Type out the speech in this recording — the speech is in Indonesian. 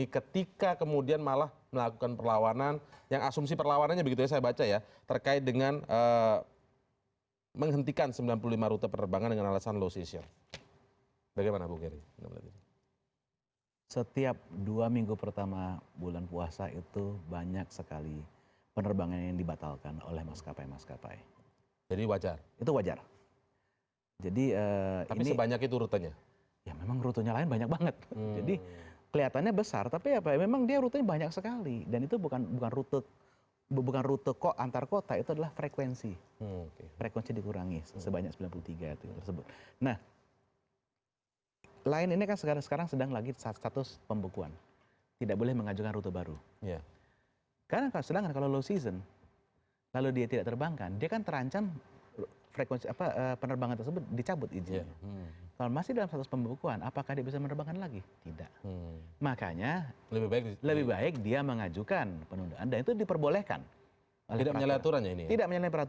kami akan mencari jalan tengahnya dalam rangka perbaikan penduduk